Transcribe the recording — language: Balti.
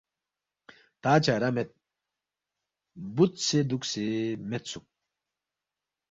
تا چارہ مید بُودسے دُوکسے میدسُوک